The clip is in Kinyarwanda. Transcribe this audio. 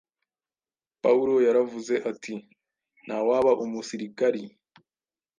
Pawulo yaravuze ati: “Nta waba umusirikari,